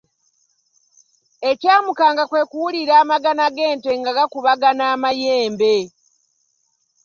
Ekyamukanga kwe kuwulira amagana g’ente nga gakubagana amayembe.